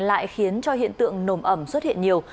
lại khiến cho hiện tượng nồm ẩm xuất hiện nhiều